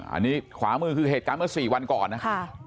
อันนี้ขวามือคือเหตุการณ์เมื่อ๔วันก่อนนะ